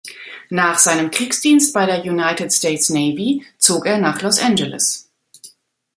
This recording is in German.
Nach seinem Kriegsdienst bei der United States Navy zog er nach Los Angeles.